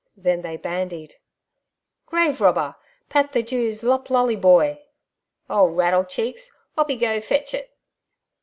Then they bandied: 'Grave robber! Pat the Jew's loplolly boy!' 'Old raddle cheeks! 'Oppy go fetch it.'